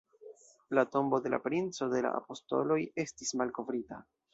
La tombo de la Princo de la Apostoloj estis malkovrita”.